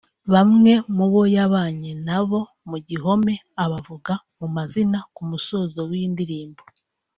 Bamwe mu bo yabanye na bo mu gihome abavuga mu mazina ku musozo w’iyi ndirimbo